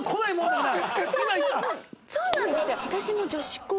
そうなんですよ。